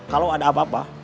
kalau ada apa apa